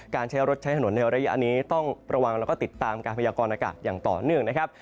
การใช้รถใช้ถนนในระยะนี้ต้องระวังแล้วก็ติดตามการพยากรณากาศอย่างต่อเนื่องนะครับ